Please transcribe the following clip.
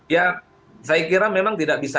ya saya kira memang tidak bisa